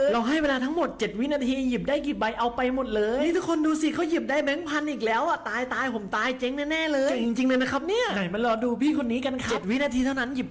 แล้วก็โชว์เองตัวไปอย่างดีระวังปวดหลังนะครับพี่